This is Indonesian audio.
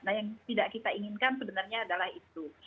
nah yang tidak kita inginkan sebenarnya adalah itu